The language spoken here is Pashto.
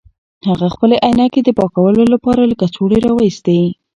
هغه خپلې عینکې د پاکولو لپاره له کڅوړې راویستې.